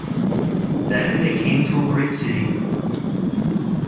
Then they came to a great city.